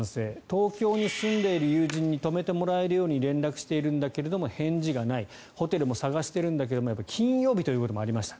東京に住んでいる友人に泊めてもらえるように連絡しているんだけれども返事がないホテルも探してるんだけど金曜日ということもありました。